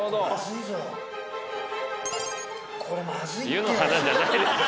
湯の花じゃないでしょ。